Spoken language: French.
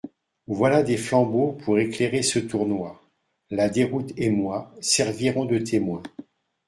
Voilà des flambeaux pour éclairer ce tournoi ; la Déroute et moi servirons de témoins.